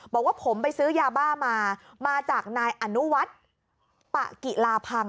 บอกว่าผมไปซื้อยาบ้ามามาจากนายอนุวัฒน์ปะกิลาพัง